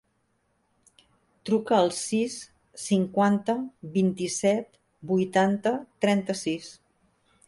Truca al sis, cinquanta, vint-i-set, vuitanta, trenta-sis.